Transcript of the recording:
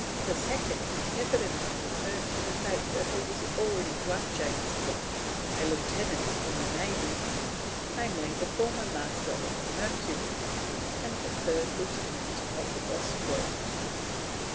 The "(2nd)" evidently refers to the fact that there was already one James Cook, a lieutenant in the Navy, namely, the former Master of the Mercury, and Third Lieutenant of the Gosport.